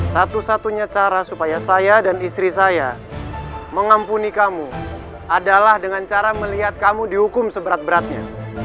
satu satunya cara supaya saya dan istri saya mengampuni kamu adalah dengan cara melihat kamu dihukum seberat beratnya